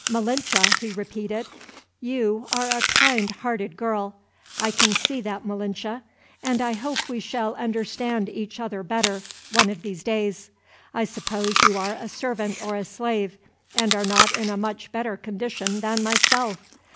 "Malinche," he repeated, "you are a kind hearted girl. I can see that, Malinche; and I hope we shall understand each other better, one of these days. I suppose you are a servant or a slave, and are not in a much better condition than myself.